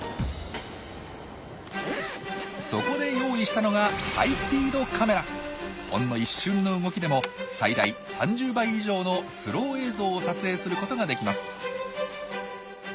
そこで用意したのがほんの一瞬の動きでも最大３０倍以上のスロー映像を撮影することができます。